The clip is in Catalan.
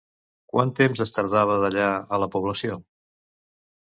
Quant temps es tardava d'allà a la població?